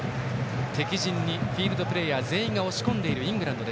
敵陣にフィールドプレーヤー全員押し込んだイングランド。